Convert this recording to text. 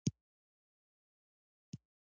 قوي منطق ولري.